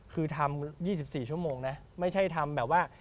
คือทำ๒๔ชั่วโมงนะไม่ใช่ทำแบบว่า